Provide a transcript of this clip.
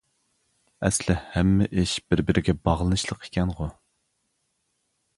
ئەسلى ھەممە ئىش بىر-بىرىگە باغلىنىشلىق ئىكەنغۇ!